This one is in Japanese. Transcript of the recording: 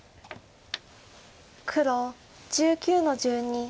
黒１９の十二。